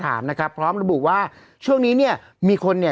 คุณแม่ของคุณแม่ของคุณแม่ของคุณแม่